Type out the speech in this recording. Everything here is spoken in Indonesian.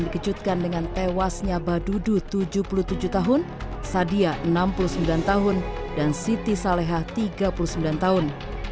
dikejutkan dengan tewasnya badudu tujuh puluh tujuh tahun sadia enam puluh sembilan tahun dan siti saleha tiga puluh sembilan tahun